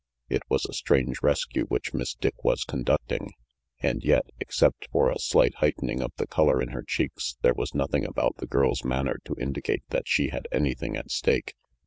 It was a strange rescue which Miss Dick was conducting, and yet, except for a slight heighten ing of the color in her cheeks, there was nothing about the girl's manner to indicate that she had anything at stake.